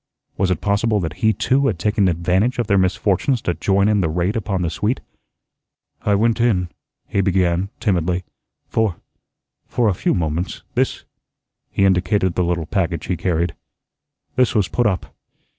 Was it possible that he too had taken advantage of their misfortunes to join in the raid upon the suite? "I went in," he began, timidly, "for for a few moments. This" he indicated the little package he carried "this was put up.